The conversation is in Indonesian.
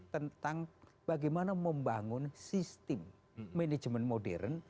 tentang bagaimana membangun sistem manajemen modern